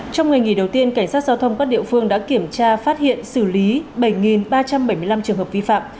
trong ngày nghỉ đầu tiên cảnh sát giao thông các địa phương đã kiểm tra phát hiện xử lý bảy ba trăm bảy mươi năm trường hợp vi phạm